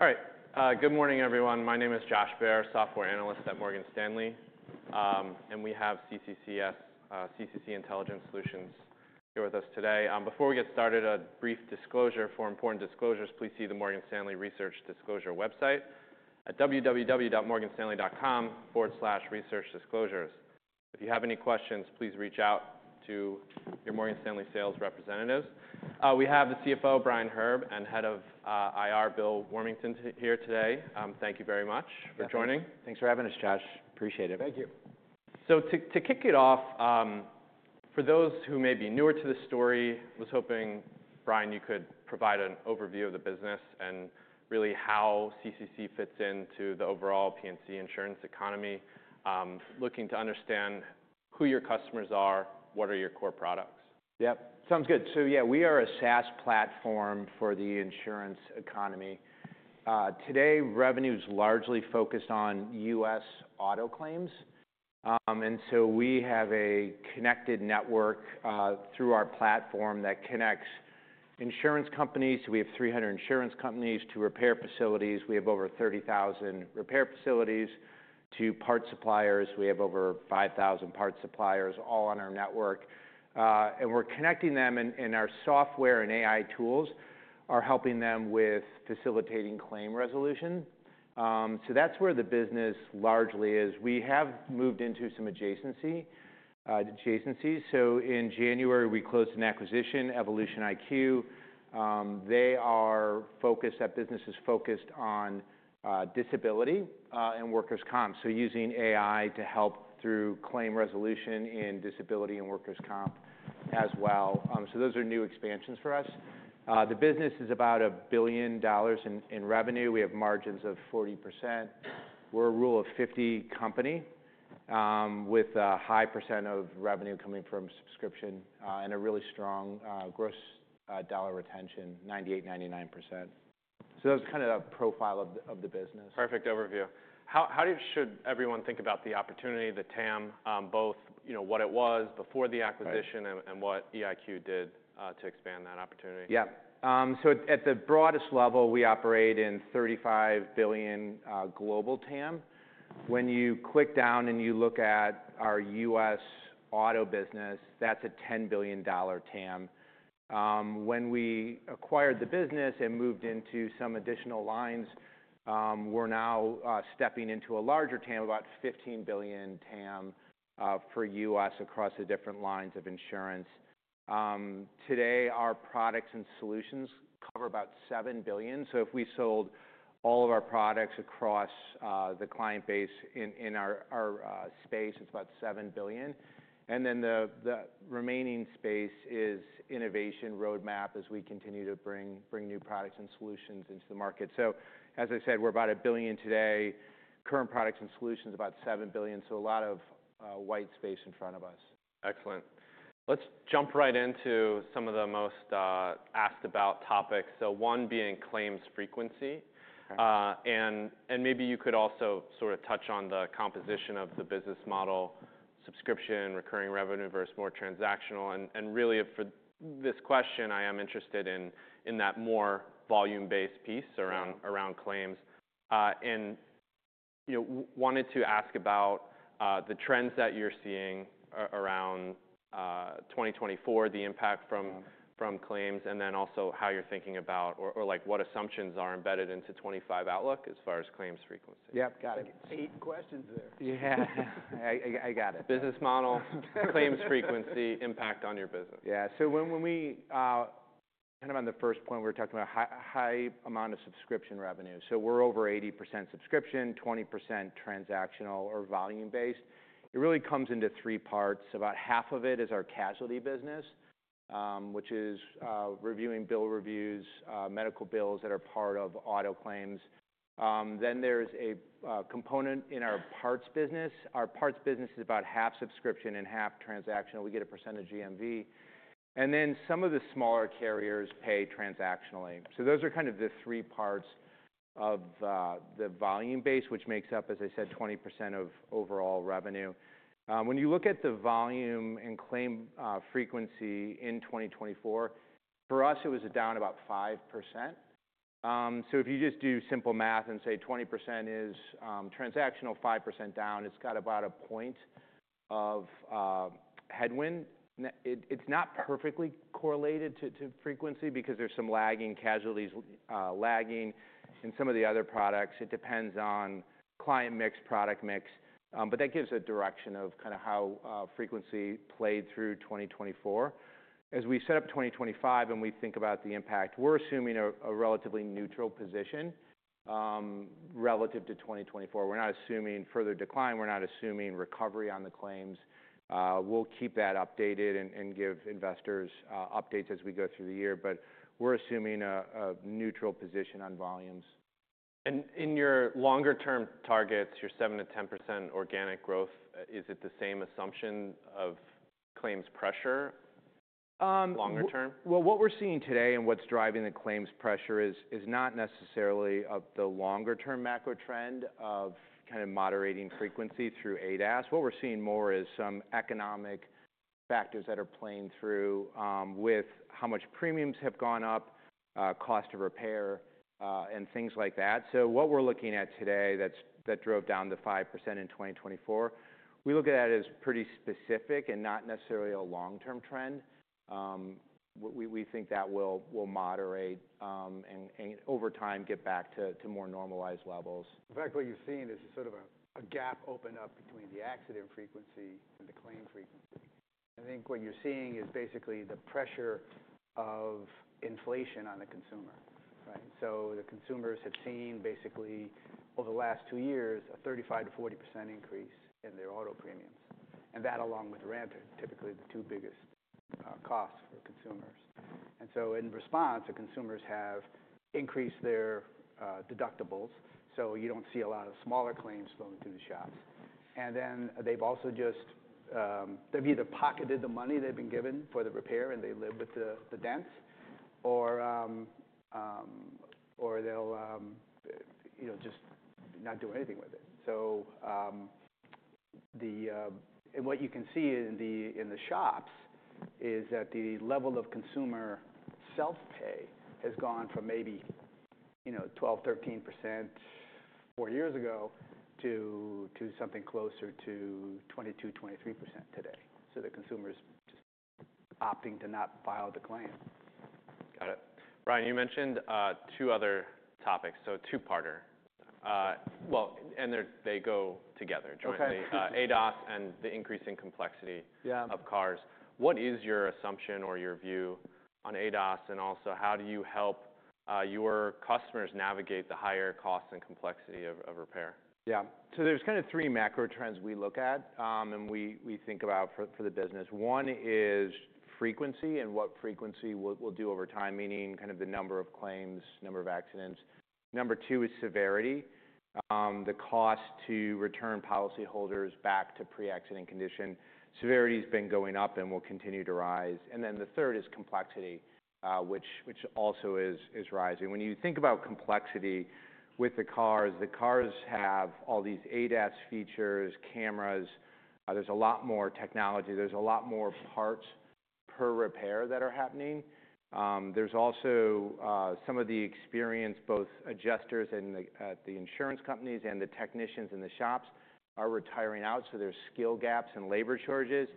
All right. Good morning, everyone. My name is Josh Baer, Software Analyst at Morgan Stanley. And we have CCC Intelligent Solutions here with us today. Before we get started, a brief disclosure. For important disclosures, please see the Morgan Stanley Research Disclosure website at www.morganstanley.com/researchdisclosures. If you have any questions, please reach out to your Morgan Stanley sales representatives. We have the CFO, Brian Herb, and Head of IR, Bill Warmington, here today. Thank you very much for joining. Thanks for having us, Josh. Appreciate it. Thank you. So to kick it off, for those who may be newer to the story, I was hoping, Brian, you could provide an overview of the business and really how CCC fits into the overall P&C insurance economy, looking to understand who your customers are, what are your core products. Yep. Sounds good. So yeah, we are a SaaS platform for the insurance economy. Today, revenue is largely focused on U.S. auto claims. And so we have a connected network through our platform that connects insurance companies. So we have 300 insurance companies to repair facilities. We have over 30,000 repair facilities. To parts suppliers, we have over 5,000 parts suppliers, all on our network. And we're connecting them, and our software and AI tools are helping them with facilitating claim resolution. So that's where the business largely is. We have moved into some adjacency. So in January, we closed an acquisition, EvolutionIQ. They are focused at businesses focused on disability and workers' comp. So using AI to help through claim resolution in disability and workers' comp as well. So those are new expansions for us. The business is about $1 billion in revenue. We have margins of 40%. We're a Rule of 50 company with a high percent of revenue coming from subscription and a really strong gross dollar retention, 98%, 99%. So that's kind of the profile of the business. Perfect overview. How should everyone think about the opportunity, the TAM, both what it was before the acquisition and what EIQ did to expand that opportunity? Yeah. So at the broadest level, we operate in $35 billion global TAM. When you click down and you look at our U.S. auto business, that's a $10 billion TAM. When we acquired the business and moved into some additional lines, we're now stepping into a larger TAM, about $15 billion TAM for U.S. across the different lines of insurance. Today, our products and solutions cover about $7 billion. So if we sold all of our products across the client base in our space, it's about $7 billion. And then the remaining space is innovation roadmap as we continue to bring new products and solutions into the market. So as I said, we're about $1 billion today. Current products and solutions about $7 billion. So a lot of white space in front of us. Excellent. Let's jump right into some of the most asked about topics: so one being claims frequency. And maybe you could also sort of touch on the composition of the business model: subscription, recurring revenue versus more transactional. And really, for this question, I am interested in that more volume-based piece around claims. And wanted to ask about the trends that you're seeing around 2024, the impact from claims, and then also how you're thinking about or what assumptions are embedded into the 2025 Outlook as far as claims frequency. Yep. Got it. Eight questions there. Yeah. I got it. Business model, claims frequency, impact on your business. Yeah. So kind of on the first point, we were talking about high amount of subscription revenue. So we're over 80% subscription, 20% transactional or volume-based. It really comes into three parts. About half of it is our casualty business, which is reviewing bill reviews, medical bills that are part of auto claims. Then there's a component in our parts business. Our parts business is about half subscription and half transactional. We get 1% of GMV. And then some of the smaller carriers pay transactionally. So those are kind of the three parts of the volume base, which makes up, as I said, 20% of overall revenue. When you look at the volume and claim frequency in 2024, for us, it was down about 5%. So if you just do simple math and say 20% is transactional, 5% down, it's got about a point of headwind. It's not perfectly correlated to frequency because there's some lagging, casualties lagging in some of the other products. It depends on client mix, product mix. But that gives a direction of kind of how frequency played through 2024. As we set up 2025 and we think about the impact, we're assuming a relatively neutral position relative to 2024. We're not assuming further decline. We're not assuming recovery on the claims. We'll keep that updated and give investors updates as we go through the year. But we're assuming a neutral position on volumes. In your longer-term targets, your 7%-10% organic growth, is it the same assumption of claims pressure longer term? What we're seeing today and what's driving the claims pressure is not necessarily the longer-term macro trend of kind of moderating frequency through ADAS. What we're seeing more is some economic factors that are playing through with how much premiums have gone up, cost of repair, and things like that. What we're looking at today that drove down to 5% in 2024, we look at that as pretty specific and not necessarily a long-term trend. We think that will moderate and over time get back to more normalized levels. In fact, what you've seen is sort of a gap open up between the accident frequency and the claim frequency. I think what you're seeing is basically the pressure of inflation on the consumer. So the consumers have seen basically over the last two years a 35%-40% increase in their auto premiums. And that along with rent, typically the two biggest costs for consumers. And so in response, the consumers have increased their deductibles. So you don't see a lot of smaller claims flowing through the shops. And then they've also just either pocketed the money they've been given for the repair and they live with the dents, or they'll just not do anything with it. And what you can see in the shops is that the level of consumer self-pay has gone from maybe 12%-13% four years ago to something closer to 22%-23% today. The consumer is just opting to not file the claim. Got it. Brian, you mentioned two other topics, so two-parter. Well, and they go together, jointly, ADAS and the increasing complexity of cars. What is your assumption or your view on ADAS? And also, how do you help your customers navigate the higher costs and complexity of repair? Yeah. So there's kind of three macro trends we look at and we think about for the business. One is frequency and what frequency will do over time, meaning kind of the number of claims, number of accidents. Number two is severity, the cost to return policyholders back to pre-accident condition. Severity has been going up and will continue to rise. And then the third is complexity, which also is rising. When you think about complexity with the cars, the cars have all these ADAS features, cameras. There's a lot more technology. There's a lot more parts per repair that are happening. There's also some of the experience, both adjusters at the insurance companies and the technicians in the shops are retiring out. So there's skill gaps and labor charges.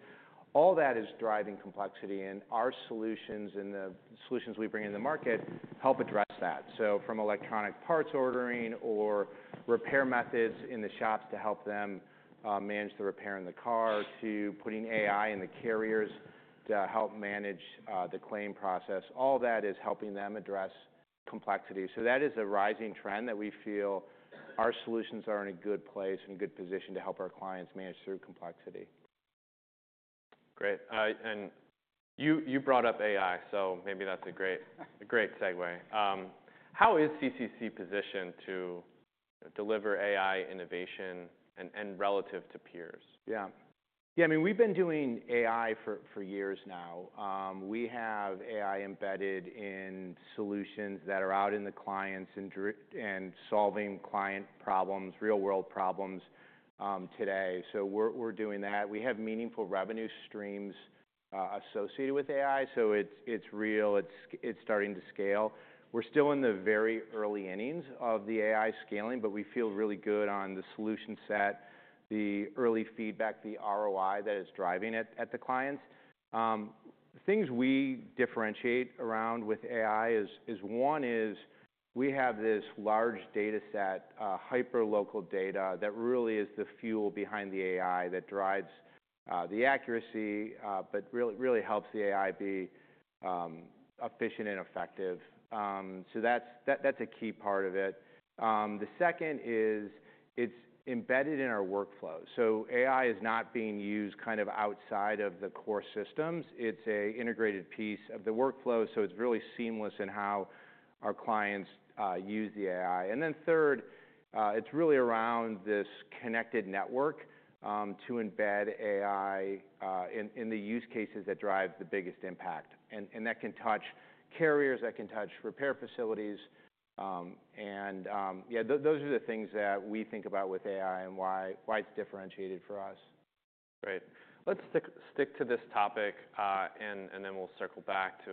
All that is driving complexity. And our solutions and the solutions we bring in the market help address that. So from electronic parts ordering or repair methods in the shops to help them manage the repair in the car to putting AI in the carriers to help manage the claim process, all that is helping them address complexity. So that is a rising trend that we feel our solutions are in a good place and good position to help our clients manage through complexity. Great. And you brought up AI, so maybe that's a great segue. How is CCC positioned to deliver AI innovation relative to peers? Yeah. Yeah, I mean, we've been doing AI for years now. We have AI embedded in solutions that are out in the clients and solving client problems, real-world problems today. So we're doing that. We have meaningful revenue streams associated with AI. So it's real. It's starting to scale. We're still in the very early innings of the AI scaling, but we feel really good on the solution set, the early feedback, the ROI that is driving it at the clients. Things we differentiate around with AI is one is we have this large data set, hyper-local data that really is the fuel behind the AI that drives the accuracy but really helps the AI be efficient and effective. So that's a key part of it. The second is it's embedded in our workflow. So AI is not being used kind of outside of the core systems. It's an integrated piece of the workflow. So it's really seamless in how our clients use the AI. And then third, it's really around this connected network to embed AI in the use cases that drive the biggest impact. And that can touch carriers, that can touch repair facilities. And yeah, those are the things that we think about with AI and why it's differentiated for us. Great. Let's stick to this topic, and then we'll circle back to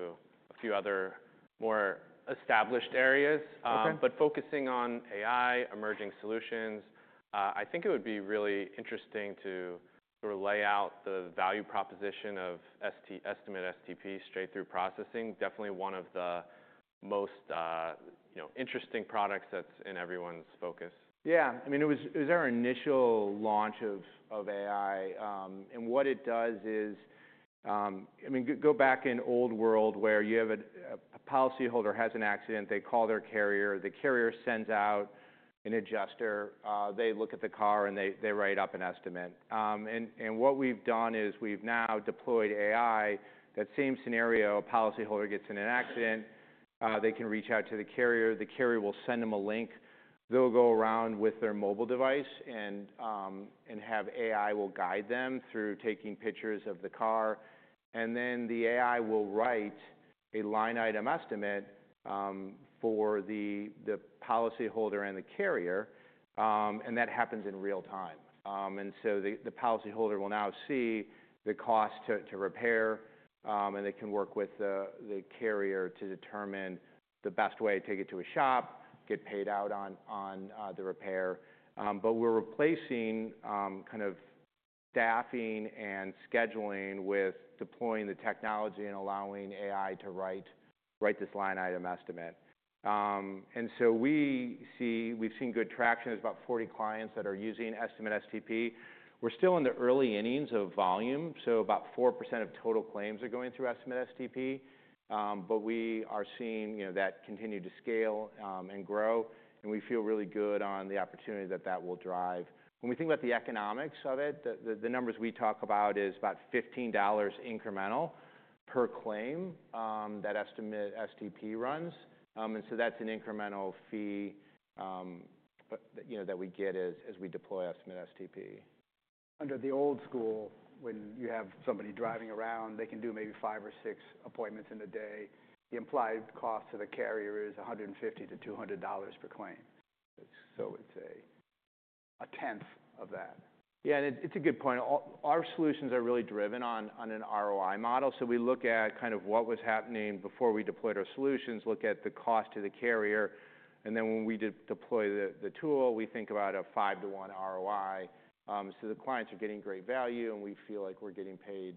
a few other more established areas. But focusing on AI, emerging solutions, I think it would be really interesting to lay out the value proposition of Estimate STP straight-through processing, definitely one of the most interesting products that's in everyone's focus. Yeah. I mean, it was our initial launch of AI. And what it does is, I mean, go back in old world where you have a policyholder has an accident, they call their carrier, the carrier sends out an adjuster, they look at the car, and they write up an estimate. And what we've done is we've now deployed AI. That same scenario, a policyholder gets in an accident, they can reach out to the carrier, the carrier will send them a link, they'll go around with their mobile device and have AI will guide them through taking pictures of the car. And then the AI will write a line item estimate for the policyholder and the carrier. And that happens in real time. And so the policyholder will now see the cost to repair, and they can work with the carrier to determine the best way to take it to a shop, get paid out on the repair. But we're replacing kind of staffing and scheduling with deploying the technology and allowing AI to write this line item estimate. And so we've seen good traction. There's about 40 clients that are using Estimate STP. We're still in the early innings of volume. So about 4% of total claims are going through Estimate STP. But we are seeing that continue to scale and grow. And we feel really good on the opportunity that that will drive. When we think about the economics of it, the numbers we talk about is about $15 incremental per claim that Estimate STP runs. And so that's an incremental fee that we get as we deploy Estimate STP. Under the old school, when you have somebody driving around, they can do maybe five or six appointments in a day. The implied cost to the carrier is $150-$200 per claim. So it's a tenth of that. Yeah. And it's a good point. Our solutions are really driven on an ROI model. So we look at kind of what was happening before we deployed our solutions, look at the cost to the carrier. And then when we deploy the tool, we think about a five to one ROI. So the clients are getting great value, and we feel like we're getting paid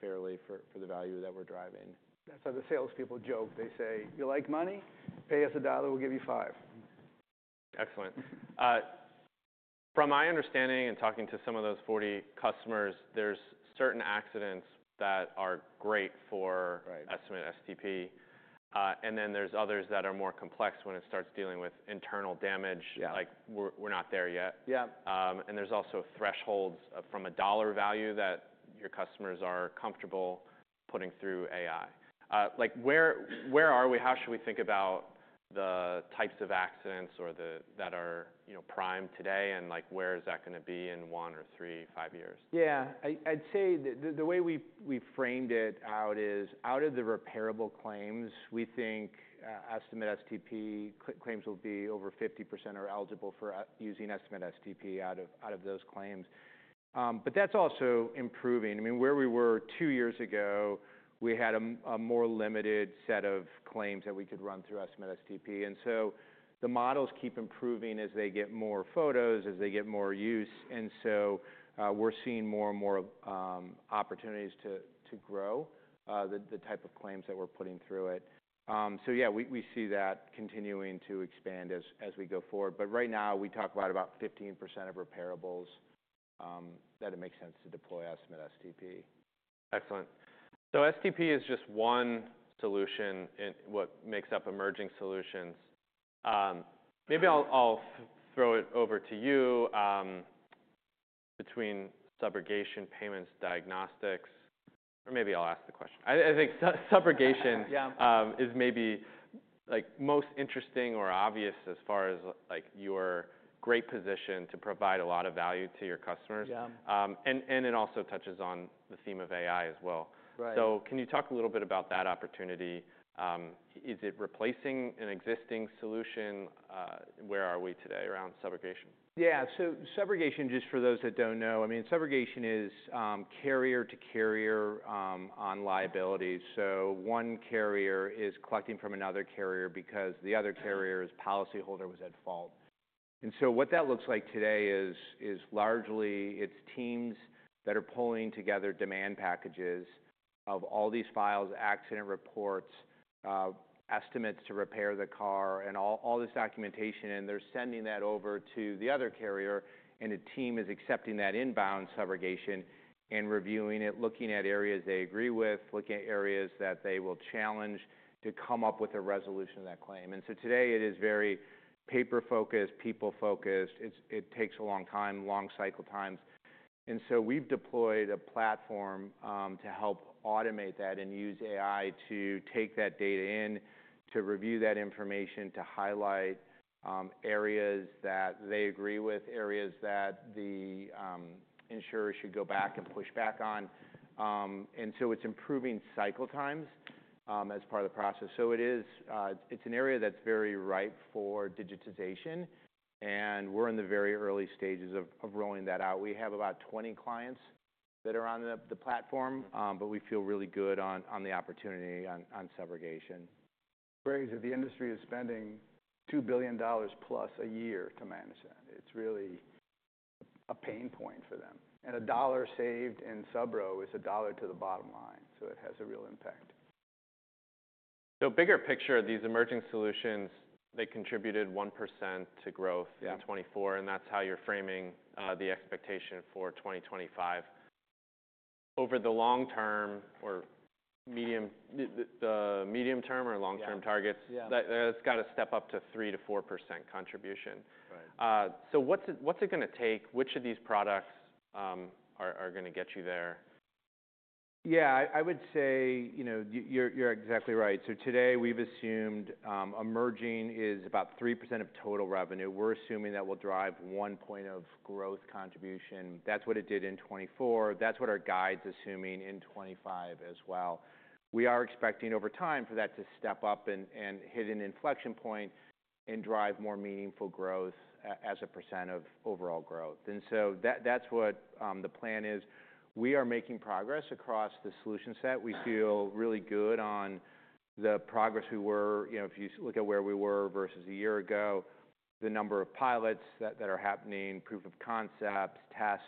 fairly for the value that we're driving. That's how the salespeople joke. They say, "You like money? Pay us a dollar. We'll give you five. Excellent. From my understanding and talking to some of those 40 customers, there's certain accidents that are great for Estimate STP. And then there's others that are more complex when it starts dealing with internal damage. We're not there yet. And there's also thresholds from a dollar value that your customers are comfortable putting through AI. Where are we? How should we think about the types of accidents that are prime today? And where is that going to be in one or three, five years? Yeah. I'd say the way we framed it out is out of the repairable claims, we think Estimate STP claims will be over 50% are eligible for using Estimate STP out of those claims. But that's also improving. I mean, where we were two years ago, we had a more limited set of claims that we could run through Estimate STP. And so the models keep improving as they get more photos, as they get more use. And so we're seeing more and more opportunities to grow the type of claims that we're putting through it. So yeah, we see that continuing to expand as we go forward. But right now, we talk about 15% of repairables that it makes sense to deploy Estimate STP. Excellent, so STP is just one solution in what makes up emerging solutions. Maybe I'll throw it over to you between subrogation, payments, diagnostics, or maybe I'll ask the question. I think subrogation is maybe most interesting or obvious as far as your great position to provide a lot of value to your customers, and it also touches on the theme of AI as well, so can you talk a little bit about that opportunity? Is it replacing an existing solution? Where are we today around subrogation? Yeah. So subrogation, just for those that don't know, I mean, subrogation is carrier to carrier on liability. So one carrier is collecting from another carrier because the other carrier's policyholder was at fault. And so what that looks like today is largely it's teams that are pulling together demand packages of all these files, accident reports, estimates to repair the car, and all this documentation. And they're sending that over to the other carrier. And a team is accepting that inbound subrogation and reviewing it, looking at areas they agree with, looking at areas that they will challenge to come up with a resolution of that claim. And so today, it is very paper-focused, people-focused. It takes a long time, long cycle times. And so we've deployed a platform to help automate that and use AI to take that data in, to review that information, to highlight areas that they agree with, areas that the insurer should go back and push back on. And so it's improving cycle times as part of the process. So it's an area that's very ripe for digitization. And we're in the very early stages of rolling that out. We have about 20 clients that are on the platform, but we feel really good on the opportunity on subrogation. Crazy. The industry is spending $2 billion plus a year to manage that. It's really a pain point for them. And a dollar saved in Subro is a dollar to the bottom line. So it has a real impact. So bigger picture, these emerging solutions, they contributed 1% to growth in 2024. And that's how you're framing the expectation for 2025. Over the long term or medium term or long-term targets, that's got to step up to 3%-4% contribution. So what's it going to take? Which of these products are going to get you there? Yeah. I would say you're exactly right. So today, we've assumed emerging is about 3% of total revenue. We're assuming that will drive one point of growth contribution. That's what it did in 2024. That's what our guide's assuming in 2025 as well. We are expecting over time for that to step up and hit an inflection point and drive more meaningful growth as a % of overall growth. And so that's what the plan is. We are making progress across the solution set. We feel really good on the progress we were. If you look at where we were versus a year ago, the number of pilots that are happening, proof of concepts, test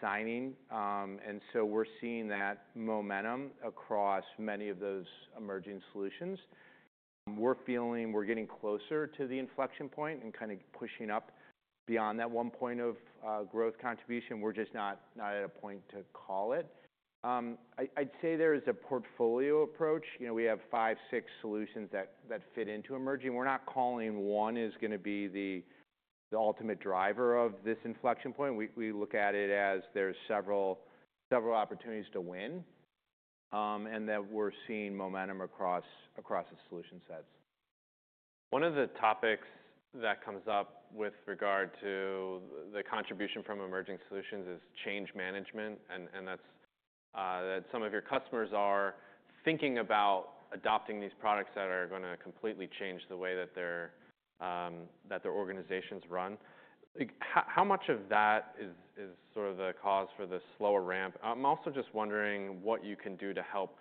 signing. And so we're seeing that momentum across many of those emerging solutions. We're feeling we're getting closer to the inflection point and kind of pushing up beyond that one point of growth contribution. We're just not at a point to call it. I'd say there is a portfolio approach. We have five, six solutions that fit into emerging. We're not calling one is going to be the ultimate driver of this inflection point. We look at it as there's several opportunities to win, and that we're seeing momentum across the solution sets. One of the topics that comes up with regard to the contribution from emerging solutions is change management, and that's that some of your customers are thinking about adopting these products that are going to completely change the way that their organizations run. How much of that is sort of the cause for the slower ramp? I'm also just wondering what you can do to help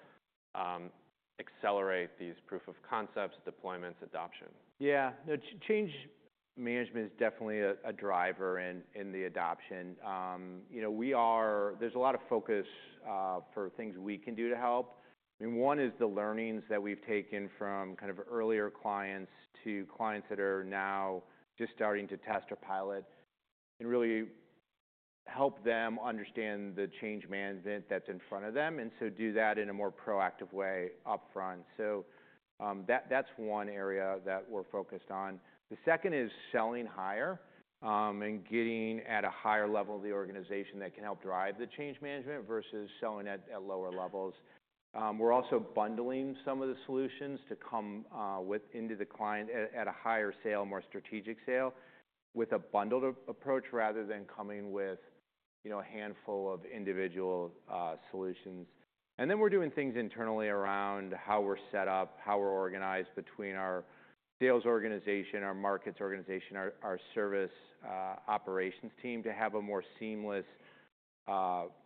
accelerate these proof of concepts, deployments, adoption? Yeah. Change management is definitely a driver in the adoption. There's a lot of focus for things we can do to help. I mean, one is the learnings that we've taken from kind of earlier clients to clients that are now just starting to test or pilot and really help them understand the change management that's in front of them and so do that in a more proactive way upfront. So that's one area that we're focused on. The second is selling higher and getting at a higher level of the organization that can help drive the change management versus selling at lower levels. We're also bundling some of the solutions to come into the client at a higher sale, more strategic sale with a bundled approach rather than coming with a handful of individual solutions. And then we're doing things internally around how we're set up, how we're organized between our sales organization, our markets organization, our service operations team to have a more seamless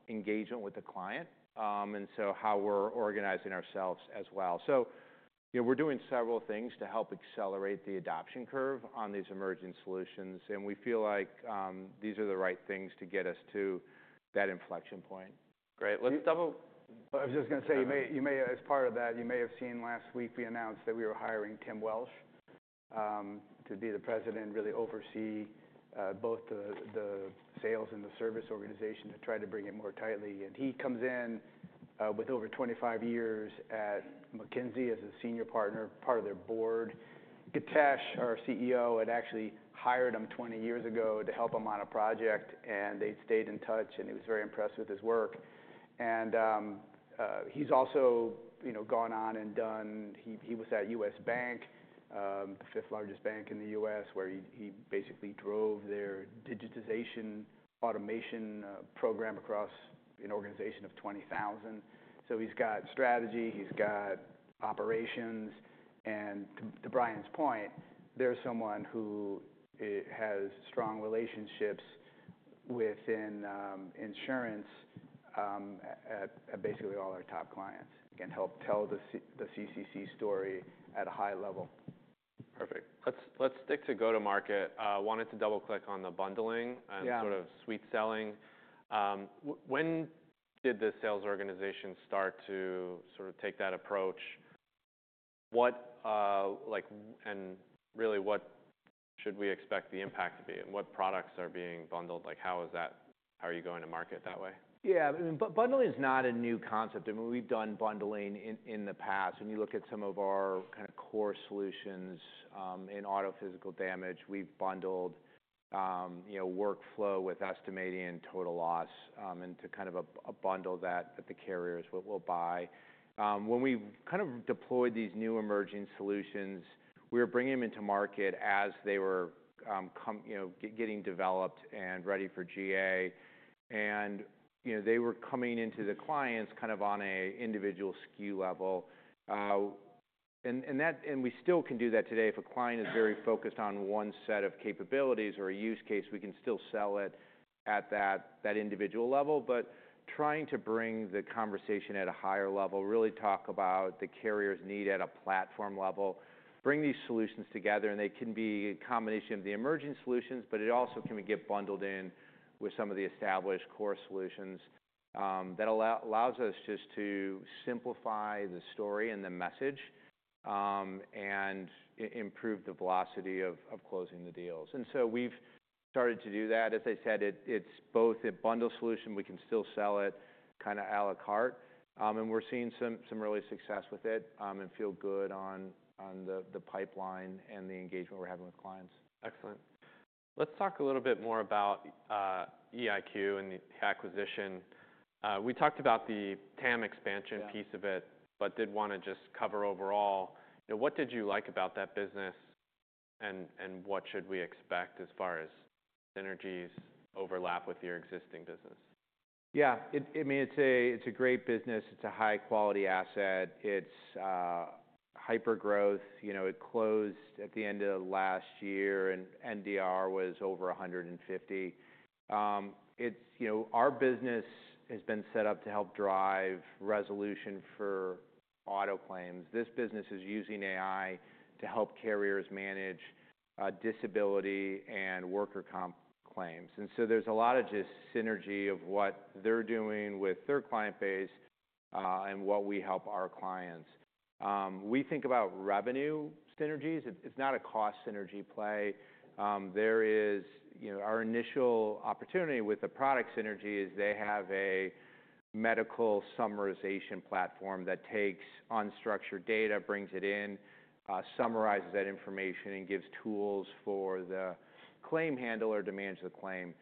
engagement with the client. And so how we're organizing ourselves as well. So we're doing several things to help accelerate the adoption curve on these emerging solutions. And we feel like these are the right things to get us to that inflection point. Great. Let's double. I was just going to say, as part of that, you may have seen last week we announced that we were hiring Tim Welsh to be the president and really oversee both the sales and the service organization to try to bring it more tightly, and he comes in with over 25 years at McKinsey as a senior partner, part of their board. Githesh, our CEO, had actually hired him 20 years ago to help him on a project, and they'd stayed in touch, and he was very impressed with his work, and he's also gone on and done he was at U.S. Bank, the fifth largest bank in the U.S., where he basically drove their digitization automation program across an organization of 20,000. So he's got strategy. He's got operations. To Brian's point, there's someone who has strong relationships within insurance at basically all our top clients and can help tell the CCC story at a high level. Perfect. Let's stick to go-to-market. I wanted to double-click on the bundling and sort of sweet selling. When did the sales organization start to sort of take that approach? And really, what should we expect the impact to be? And what products are being bundled? How are you going to market that way? Yeah. Bundling is not a new concept. I mean, we've done bundling in the past. When you look at some of our kind of core solutions in auto physical damage, we've bundled workflow with estimating total loss into kind of a bundle that the carriers will buy. When we kind of deployed these new emerging solutions, we were bringing them into market as they were getting developed and ready for GA, and they were coming into the clients kind of on an individual SKU level, and we still can do that today. If a client is very focused on one set of capabilities or a use case, we can still sell it at that individual level, but trying to bring the conversation at a higher level, really talk about the carrier's need at a platform level, bring these solutions together. And they can be a combination of the emerging solutions, but it also can get bundled in with some of the established core solutions that allows us just to simplify the story and the message and improve the velocity of closing the deals. And so we've started to do that. As I said, it's both a bundle solution. We can still sell it kind of à la carte. And we're seeing some real success with it and feel good on the pipeline and the engagement we're having with clients. Excellent. Let's talk a little bit more about EIQ and the acquisition. We talked about the TAM expansion piece of it, but did want to just cover overall. What did you like about that business? And what should we expect as far as synergies overlap with your existing business? Yeah. I mean, it's a great business. It's a high-quality asset. It's hyper-growth. It closed at the end of last year, and NDR was over 150. Our business has been set up to help drive resolution for auto claims. This business is using AI to help carriers manage disability and workers' comp claims, and so there's a lot of just synergy of what they're doing with their client base and what we help our clients. We think about revenue synergies. It's not a cost synergy play. Our initial opportunity with the product synergy is they have a medical summarization platform that takes unstructured data, brings it in, summarizes that information, and gives tools for the claim handler to manage the claim.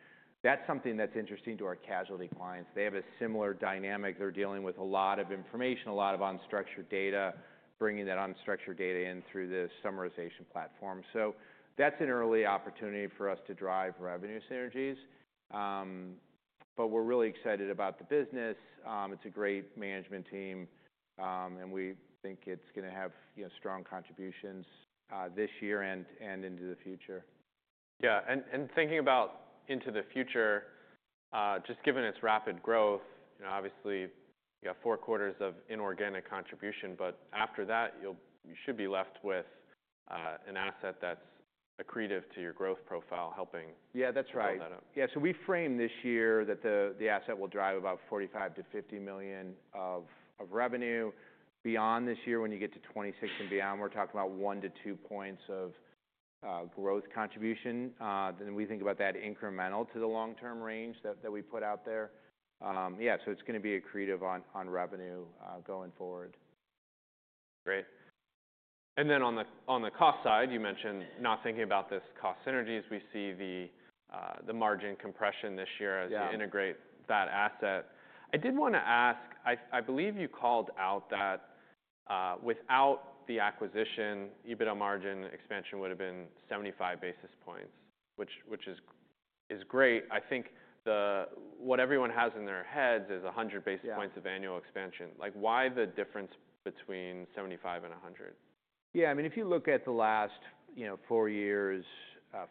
That's something that's interesting to our casualty clients. They have a similar dynamic. They're dealing with a lot of information, a lot of unstructured data, bringing that unstructured data in through the summarization platform. So that's an early opportunity for us to drive revenue synergies. But we're really excited about the business. It's a great management team. And we think it's going to have strong contributions this year and into the future. Yeah. And thinking about into the future, just given its rapid growth, obviously, you have four quarters of inorganic contribution. But after that, you should be left with an asset that's accretive to your growth profile, helping. Yeah, that's right. Yeah. So we framed this year that the asset will drive about $45 million-$50 million of revenue. Beyond this year, when you get to 2026 and beyond, we're talking about one to two points of growth contribution. Then we think about that incremental to the long-term range that we put out there. Yeah. So it's going to be accretive on revenue going forward. Great. And then on the cost side, you mentioned not thinking about this cost synergy as we see the margin compression this year as you integrate that asset. I did want to ask. I believe you called out that without the acquisition, EBITDA margin expansion would have been 75 basis points, which is great. I think what everyone has in their heads is 100 basis points of annual expansion. Why the difference between 75 and 100? Yeah. I mean, if you look at the last four years,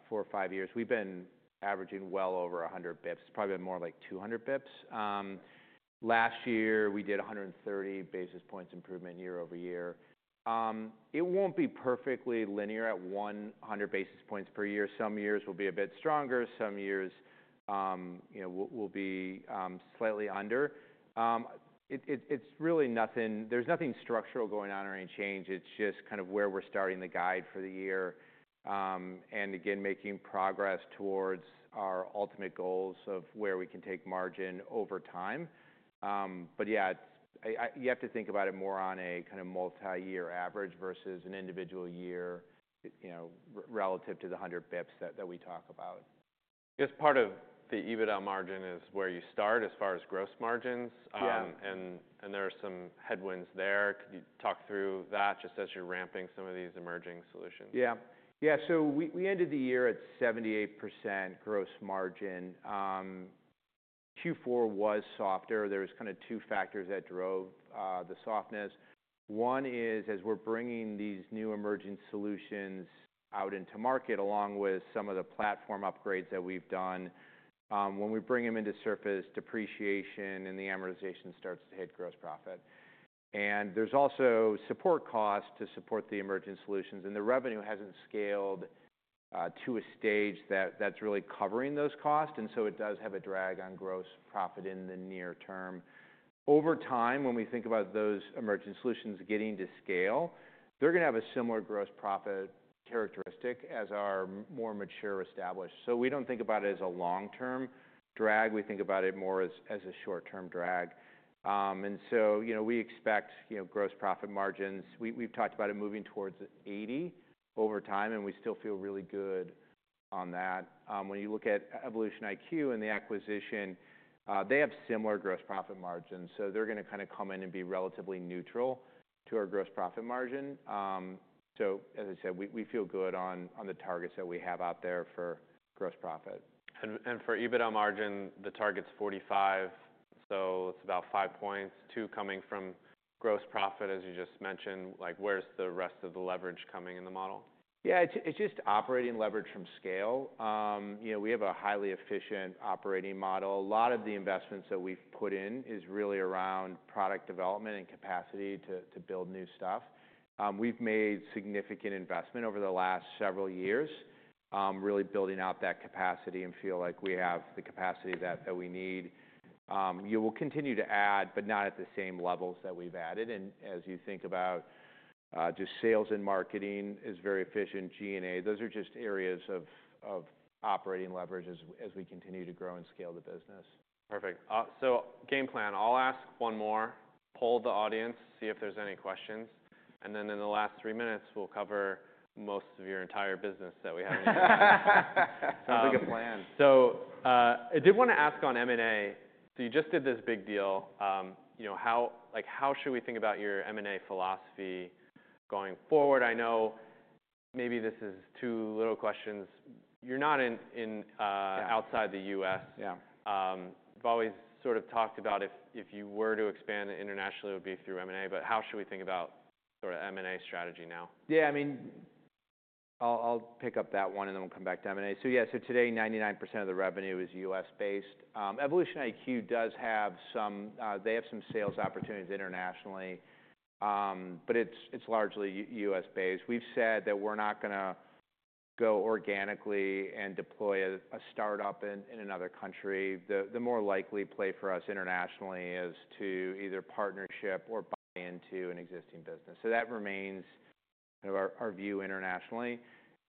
four or five years, we've been averaging well over 100 basis points. Probably been more like 200 basis points. Last year, we did 130 basis points improvement year over year. It won't be perfectly linear at 100 basis points per year. Some years will be a bit stronger. Some years will be slightly under. There's nothing structural going on or any change. It's just kind of where we're starting the guide for the year and, again, making progress towards our ultimate goals of where we can take margin over time. But yeah, you have to think about it more on a kind of multi-year average versus an individual year relative to the 100 basis points that we talk about. I guess part of the EBITDA margin is where you start as far as gross margins. And there are some headwinds there. Could you talk through that just as you're ramping some of these emerging solutions? Yeah. Yeah. So we ended the year at 78% gross margin. Q4 was softer. There were kind of two factors that drove the softness. One is as we're bringing these new emerging solutions out to market along with some of the platform upgrades that we've done, when we bring them into service, depreciation and the amortization starts to hit gross profit. And there's also support costs to support the emerging solutions. And the revenue hasn't scaled to a stage that's really covering those costs. And so it does have a drag on gross profit in the near term. Over time, when we think about those emerging solutions getting to scale, they're going to have a similar gross profit characteristic as our more mature established. So we don't think about it as a long-term drag. We think about it more as a short-term drag. And so we expect gross profit margins. We've talked about it moving towards 80 over time, and we still feel really good on that. When you look at EvolutionIQ and the acquisition, they have similar gross profit margins, so they're going to kind of come in and be relatively neutral to our gross profit margin. As I said, we feel good on the targets that we have out there for gross profit. For EBITDA margin, the target is 45%. So it's about five points, two coming from gross profit, as you just mentioned. Where's the rest of the leverage coming in the model? Yeah. It's just operating leverage from scale. We have a highly efficient operating model. A lot of the investments that we've put in is really around product development and capacity to build new stuff. We've made significant investment over the last several years, really building out that capacity and feel like we have the capacity that we need. We'll continue to add, but not at the same levels that we've added, and as you think about just sales and marketing is very efficient, G&A. Those are just areas of operating leverage as we continue to grow and scale the business. Perfect. So, game plan. I'll ask one more, poll the audience, see if there's any questions, and then in the last three minutes, we'll cover most of your entire business that we haven't covered. Sounds like a plan. So I did want to ask on M&A. So you just did this big deal. How should we think about your M&A philosophy going forward? I know maybe this is two little questions. You're not outside the U.S. We've always sort of talked about if you were to expand internationally, it would be through M&A. But how should we think about sort of M&A strategy now? Yeah. I mean, I'll pick up that one and then we'll come back to M&A. So yeah, so today, 99% of the revenue is U.S.-based. EvolutionIQ does have some sales opportunities internationally, but it's largely U.S.-based. We've said that we're not going to go organically and deploy a startup in another country. The more likely play for us internationally is to either partnership or buy into an existing business. So that remains kind of our view internationally.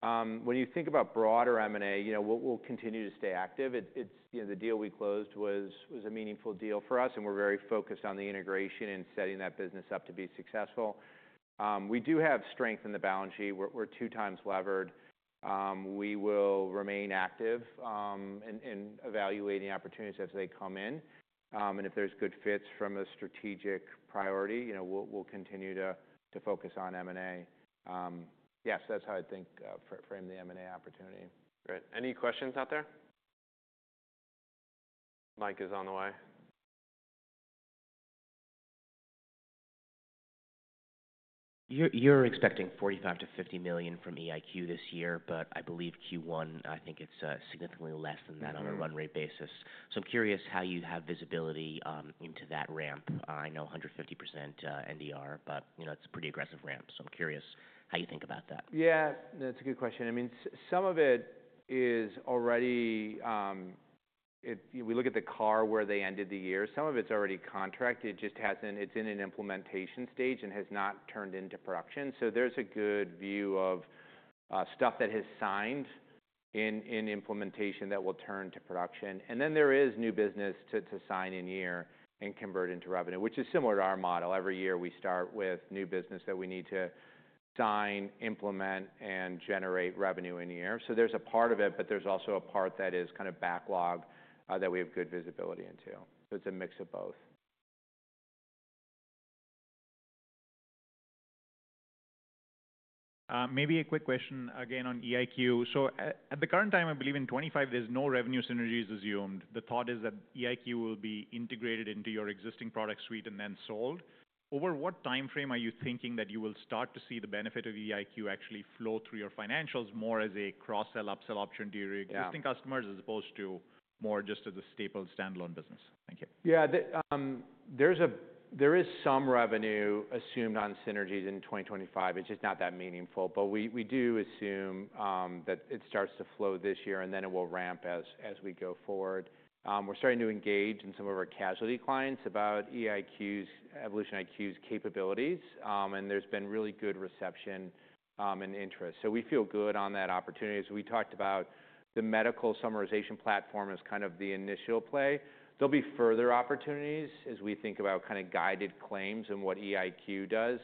When you think about broader M&A, we'll continue to stay active. The deal we closed was a meaningful deal for us. And we're very focused on the integration and setting that business up to be successful. We do have strength in the balance sheet. We're two times levered. We will remain active in evaluating opportunities as they come in. If there's good fits from a strategic priority, we'll continue to focus on M&A. Yes, that's how I'd think frame the M&A opportunity. Great. Any questions out there? Mike is on the way. You're expecting $45 million-$50 million from EIQ this year. But I believe Q1, I think it's significantly less than that on a run rate basis. So I'm curious how you have visibility into that ramp. I know 150% NDR, but it's a pretty aggressive ramp. So I'm curious how you think about that. Yeah. That's a good question. I mean, some of it is already. We look at the calendar where they ended the year. Some of it's already contracted. It's in an implementation stage and has not turned into production. So there's a good view of stuff that has signed in implementation that will turn to production. And then there is new business to sign in year and convert into revenue, which is similar to our model. Every year, we start with new business that we need to sign, implement, and generate revenue in year. So there's a part of it, but there's also a part that is kind of backlog that we have good visibility into. So it's a mix of both. Maybe a quick question again on EIQ. So at the current time, I believe in 2025, there's no revenue synergies assumed. The thought is that EIQ will be integrated into your existing product suite and then sold. Over what time frame are you thinking that you will start to see the benefit of EIQ actually flow through your financials more as a cross-sell upsell option to your existing customers as opposed to more just as a staple standalone business? Thank you. Yeah. There is some revenue assumed on synergies in 2025. It's just not that meaningful. But we do assume that it starts to flow this year, and then it will ramp as we go forward. We're starting to engage in some of our casualty clients about EvolutionIQ's capabilities. And there's been really good reception and interest. So we feel good on that opportunity. As we talked about, the medical summarization platform is kind of the initial play. There'll be further opportunities as we think about kind of guided claims and what EvolutionIQ does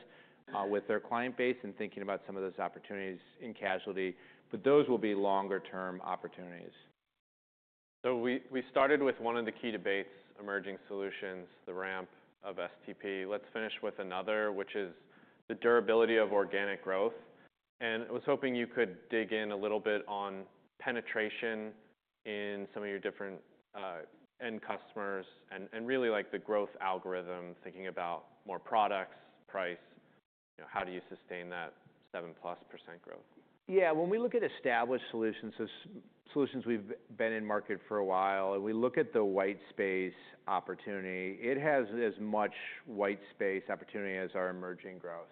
with their client base and thinking about some of those opportunities in casualty. But those will be longer-term opportunities. So we started with one of the key debates, emerging solutions, the ramp of STP. Let's finish with another, which is the durability of organic growth. And I was hoping you could dig in a little bit on penetration in some of your different end customers and really the growth algorithm, thinking about more products, price. How do you sustain that 7% plus growth? Yeah. When we look at established solutions, solutions we've been in market for a while, and we look at the white space opportunity, it has as much white space opportunity as our emerging growth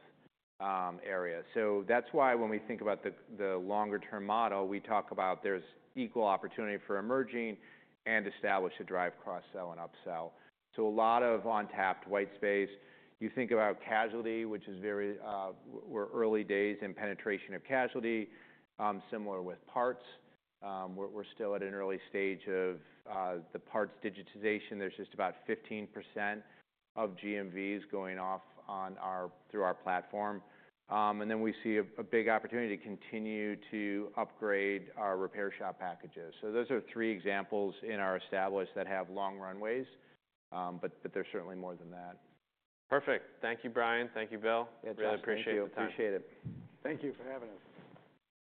area. So that's why when we think about the longer-term model, we talk about there's equal opportunity for emerging and established to drive cross-sell and upsell. So a lot of untapped white space. You think about casualty, which is very early days in penetration of casualty, similar with parts. We're still at an early stage of the parts digitization. There's just about 15% of GMVs going through our platform. And then we see a big opportunity to continue to upgrade our repair shop packages. So those are three examples in our established that have long runways. But there's certainly more than that. Perfect. Thank you, Brian. Thank you, Bill. Really appreciate the time. Yeah. Thank you. Appreciate it. Thank you for having us.